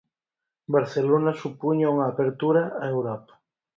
Barcelona supuña unha apertura a Europa.